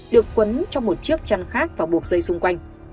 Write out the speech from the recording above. được quấn trong một chiếc chăn khác và buộc dây xung quanh